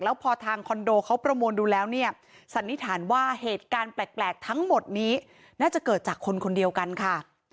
แล้วพอทางคอนโดเขาประมวลดูแล้วเนี่ยสันนิษฐานว่าเหตุการณ์แปลกทั้งหมดนี้น่าจะเกิดจากคนคนเดียวกันค่ะ